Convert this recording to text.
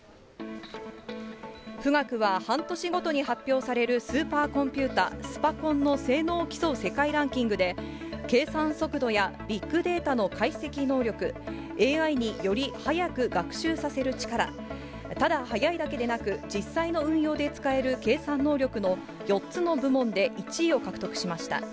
富岳は、半年ごとに発表されるスーパーコンピューター、スパコンの性能を競う世界ランキングで、計算速度やビッグデータの解析能力、ＡＩにより早く学習させる力、ただ速いだけでなく、実際の運用で使える計算能力の４つの部門で１位を獲得しました。